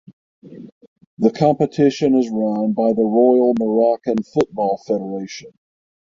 The competition is run by the Royal Moroccan Football Federation.